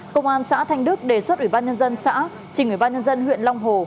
công an xã thanh đức đề xuất ủy ban nhân dân xã trình ủy ban nhân dân huyện long hồ